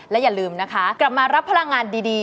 และอย่าลืมนะคะกลับมารับพลังงานดี